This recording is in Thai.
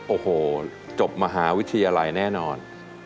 โอ้โหจบมหาวิทยาลัยแน่นอน